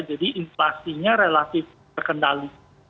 jadi inflasinya relatif terkendali